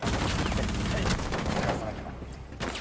絶対に探さなきゃなって。